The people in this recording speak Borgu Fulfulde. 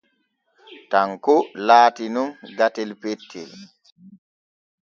Tanko laati nun gatel pettel.